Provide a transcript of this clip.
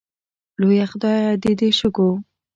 لویه خدایه د دې شګو